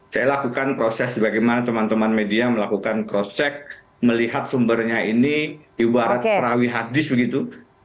saya lakukan proses bagaimana teman teman media melakukan cross check melihat sumbernya ini ibarat perawi hadis begitu